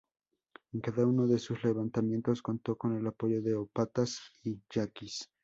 En cada uno de sus levantamientos contó con el apoyo de ópatas y yaquis.